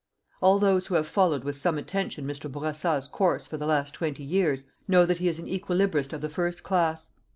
All those who have followed with some attention Mr. Bourassa's course for the last twenty years, know that he is an equilibrist of the first class.